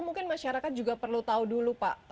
mungkin masyarakat juga perlu tahu dulu pak